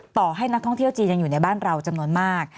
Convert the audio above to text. ต่อให้นักท่องเที่ยวจีนยังอยู่ในบ้านเราจำนวนมาก